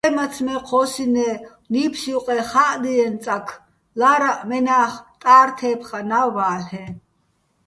წყე, მაცმე ჴოსინე́ ნიფს ჲუყე ხა́ჸდიეჼ წაქ, ლა́რაჸ მენა́ხ ტარო̆ თე́ფხანა́ ვა́ლ'ეჼ.